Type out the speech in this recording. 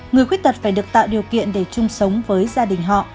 người khuyết tật phải được tạo điều kiện để chung sống với gia đình họ